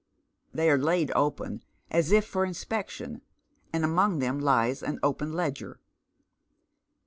They are laid open, as if for inspec tion, and among them lies an open ledger.